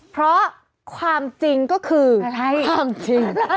เพราะความจริงก็คืออะไร